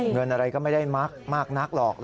เงินอะไรก็ไม่ได้มากนักหรอก